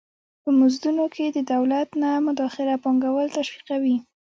په مزدونو کې د دولت نه مداخله پانګوال تشویقوي.